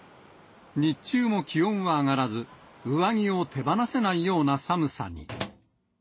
日中も気温は上がらず、上着を手放せないような寒さに。